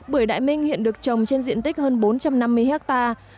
bưởi đại minh hiện được trồng trên diện tích hơn bốn trăm năm mươi hectare